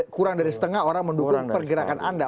kurang dari setengah orang mendukung pergerakan anda